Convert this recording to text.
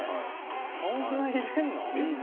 そんな入れるの？